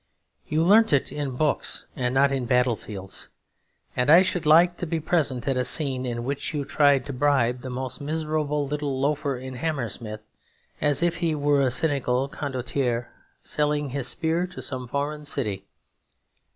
You learnt it in books and not in battlefields; and I should like to be present at a scene in which you tried to bribe the most miserable little loafer in Hammersmith as if he were a cynical condottiere selling his spear to some foreign city.